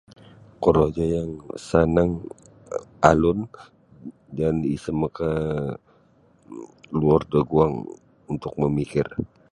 Kurogaya sanang alun janji isa makaluor da guang untuk mamikir.